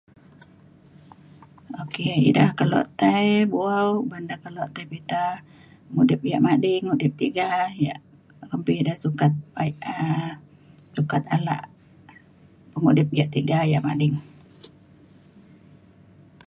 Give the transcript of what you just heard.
oka eda keluk tai bu'au oban ida le keluk tai pita mudip ya' mading, udip ya' tiga ya' kempi ida sukat um sukat alak pengudip ya' tiga ya' mading.